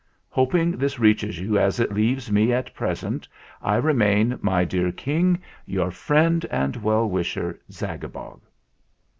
"Hoping this reaches you as it leaves me at present, I remain, my dear King, your friend and well wisher, "ZAGABOG."